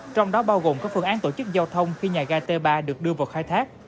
trong đó bao gồm các phương án tổ chức giao thông khi nhà gai t ba được đưa vào khai thác